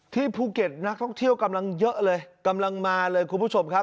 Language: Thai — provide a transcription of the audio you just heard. ภูเก็ตนักท่องเที่ยวกำลังเยอะเลยกำลังมาเลยคุณผู้ชมครับ